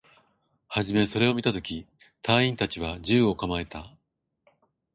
はじめそれを見たとき、隊員達は銃を構えた